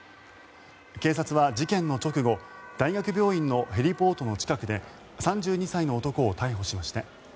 警察は事件の直後大学病院のヘリポートの近くで３２歳の男を逮捕しました。